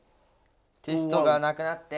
テストがなくなって。